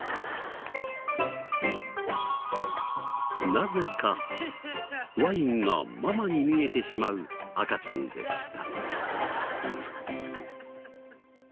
なぜかワインがママに見えてしまう赤ちゃんでした。